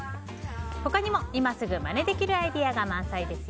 他にも、今すぐまねできるアイデアが満載です。